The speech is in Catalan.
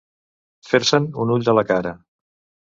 Fer-se'n un ull de la cara.